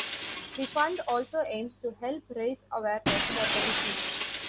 The fund also aims to help raise awareness for the disease.